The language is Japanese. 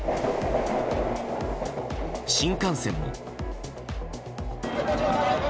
新幹線も。